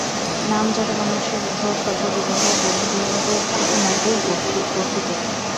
নামজাদা মানুষের বিবাহ স্বল্পবিবাহ, বহুবিবাহের মতোই গর্হিত।